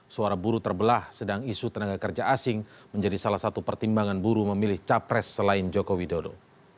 suara buruh terbelah sedang isu tenaga kerja asing menjadi salah satu pertimbangan buruh memilih capres selain joko widodo